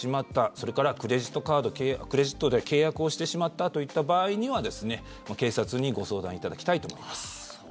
それから、クレジットで契約をしてしまったという場合には警察にご相談いただきたいと思います。